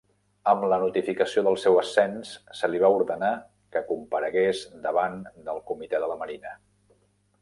Amb la notificació del seu ascens se li va ordenar que comparegués davant del Comitè de la Marina.